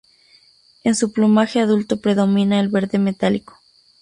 En su plumaje adulto predomina el verde metálico.